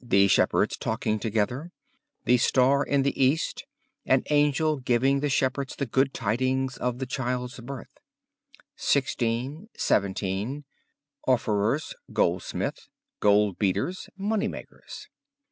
The shepherds talking together, the star in the East; an angel giving the shepherds the good tidings of the Child's birth. 16, 17. Orfevers (Goldsmiths), Goldbeaters, Moneymakers.